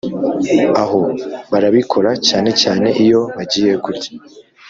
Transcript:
aho barabikora cyane cyane iyo bagiye kurya